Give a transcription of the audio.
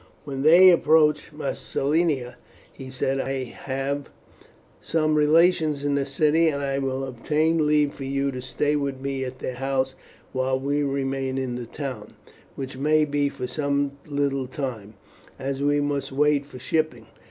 When they approached Massilia he said, "I have some relations in the city, and I will obtain leave for you to stay with me at their house while we remain in the town, which may be for some little time, as we must wait for shipping.